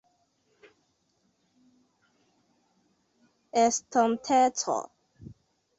estonteco